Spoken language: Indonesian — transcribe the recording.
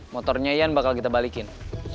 motornya yan bakal kita balikin